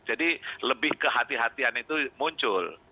jadi lebih kehatian hatian itu muncul